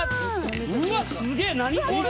うわすげえ何これ。